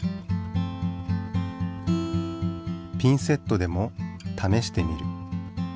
ピンセットでも試してみる。